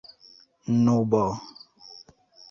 nubo